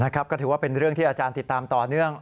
ก็ถือว่าเป็นเรื่องที่อาจารย์ติดตามต่อเนื่อง